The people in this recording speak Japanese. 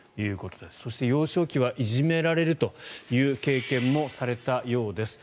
そして、幼少期はいじめられるという経験もされたようです。